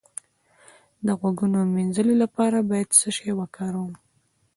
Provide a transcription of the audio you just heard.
د غوږونو د مینځلو لپاره باید څه شی وکاروم؟